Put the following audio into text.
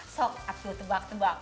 sok atuh tebak tebak